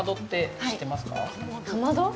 かまど！？